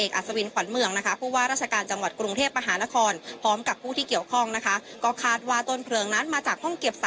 เอกอัศวินขวัญเมืองนะคะก็ว่าราชการจังหวัดกรุงเทพฯประหาราคอน